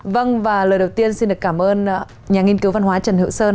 vâng và lời đầu tiên xin được cảm ơn nhà nghiên cứu văn hóa trần hữu sơn